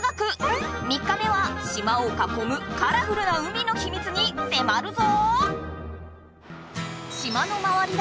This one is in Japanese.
３日目は島をかこむカラフルな海のヒミツにせまるぞ！